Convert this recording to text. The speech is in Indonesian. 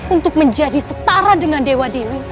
untuk menjadi setara dengan dewa dewi